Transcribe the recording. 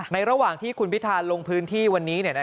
ระหว่างที่คุณพิธาลงพื้นที่วันนี้